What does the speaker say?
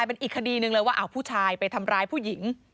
เป็นอีกคดีหนึ่งเลยว่าผู้ชายไปทำร้ายผู้หญิง